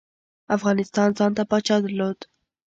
افغانستان ځانته پاچا درلود.